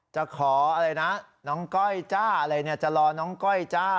จะขออะไรนะน้องก้อยจ้าอะไรเนี่ยจะรอน้องก้อยจ้า